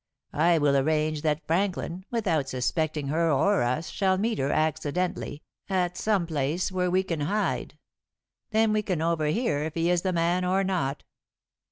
I will arrange that Franklin, without suspecting her or us, shall meet her, accidentally, at some place where we can hide. Then we can overhear if he is the man or not."